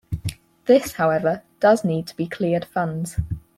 This, however, does need to be cleared funds.